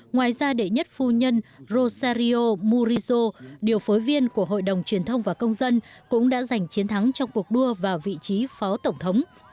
ngoài ra đệ nhất phu nhân roserio murizo điều phối viên của hội đồng truyền thông và công dân cũng đã giành chiến thắng trong cuộc đua vào vị trí phó tổng thống